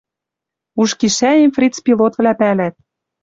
Уж кишӓэм фриц-пилотвлӓ пӓлӓт